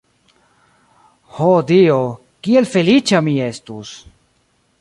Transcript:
Ho Dio, kiel feliĉa mi estus!